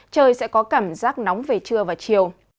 trời sẽ có cảm giác nóng về trưa và chiều